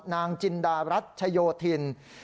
นางจินดารัชโยธิน